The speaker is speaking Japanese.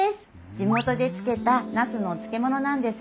地元で漬けたナスのお漬物なんです。